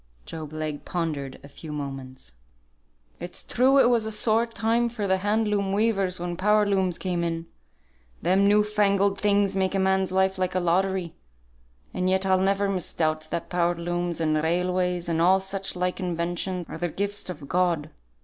Job Legh pondered a few moments. "It's true it was a sore time for the hand loom weavers when power looms came in: them new fangled things make a man's life like a lottery; and yet I'll never misdoubt that power looms, and railways, and all such like inventions, are the gifts of God.